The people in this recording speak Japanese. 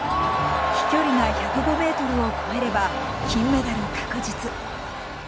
飛距離が１０５ｍを超えれば金メダル確実。